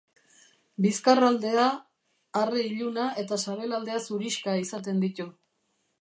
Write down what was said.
Bizkarraldea arre iluna eta sabelaldea zurixka izaten ditu.